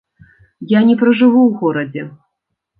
Я не пражыву ў горадзе.